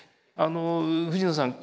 藤野さん